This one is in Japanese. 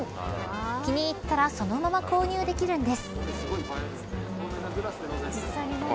気に入ったらそのまま購入できるんです。